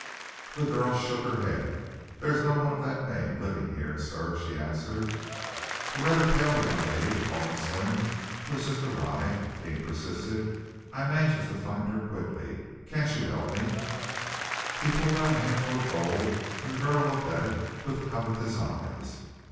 The girl shook her head. "There is no one of that name living here, sir," she answered. "A rather pale young lady, tall and slim, who has just arrived," Deane persisted. "I am anxious to find her quickly. Can't you help me?" He pulled out a handful of gold, and the girl looked at it with covetous eyes.